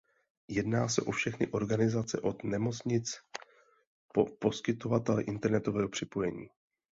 Jedná se o všechny organizace od nemocnic po poskytovatele internetového připojení.